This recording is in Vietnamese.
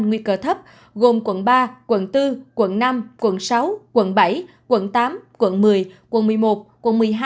nguy cơ thấp gồm quận ba quận bốn quận năm quận sáu quận bảy quận tám quận một mươi quận một mươi một quận một mươi hai